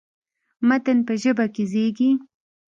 متن په ژبه کې زېږي.